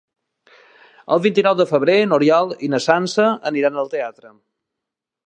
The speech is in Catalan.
El vint-i-nou de febrer n'Oriol i na Sança aniran al teatre.